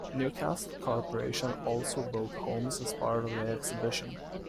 Newcastle Corporation also built homes as part of the exhibition.